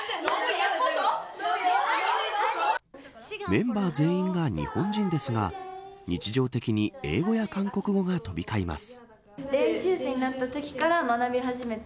メンバー全員が日本人ですが日常的に英語や韓国語が飛び交います。